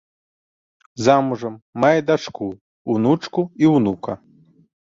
Замужам, мае дачку, унучку і ўнука.